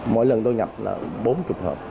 mỗi lần tôi nhập là bốn mươi hộp